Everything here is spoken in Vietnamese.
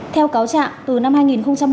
theo cáo trạng từ năm hai nghìn một mươi